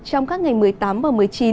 trong các ngày một mươi tám và một mươi chín